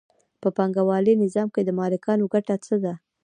په پانګوالي نظام کې د مالکانو ګټه څه ده